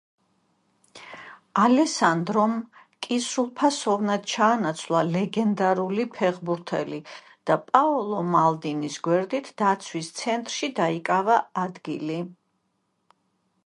ალესანდრომ კი სრულფასოვნად ჩაანაცვლა ლეგენდარული ფეხბურთელი და პაოლო მალდინის გვერდით დაცვის ცენტრში დაიკავა ადგილი.